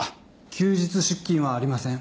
休日出勤はありません。